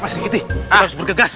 mas nikiti harus bergegas